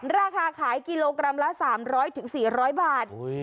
ราคาขายกิโลกรัมละสามร้อยถึงสี่ร้อยบาทโอ้ย